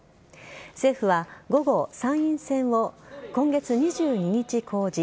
政府は午後参院選を今月２２日公示